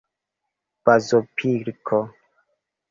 bazopilko